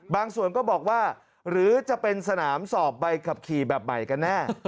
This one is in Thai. ก็บอกว่าหรือจะเป็นสนามสอบใบขับขี่แบบใหม่กันแน่